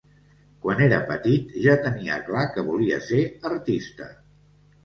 Quan era petit, ja tenia clar que volia ser artista.